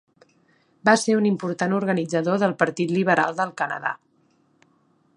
Va ser un important organitzador del Partit Liberal del Canadà.